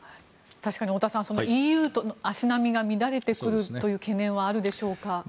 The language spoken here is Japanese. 確かに太田さんＥＵとの足並みが乱れてくるという懸念はあるでしょうか。